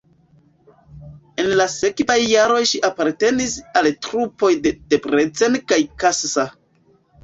En la sekvaj jaroj ŝi apartenis al trupoj de Debrecen kaj Kassa.